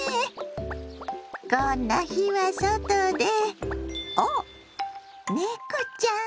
こんな日は外であっネコちゃん。